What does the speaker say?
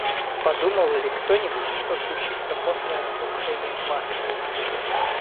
Подумал ли кто-нибудь, что случится после разрушения Басры?